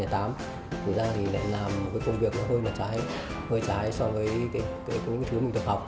thực ra thì lại làm một công việc hơi trái so với những thứ mình được học